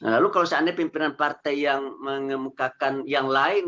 lalu kalau seandainya pimpinan partai yang mengemukakan yang lain